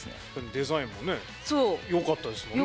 デザインもねよかったですもんね。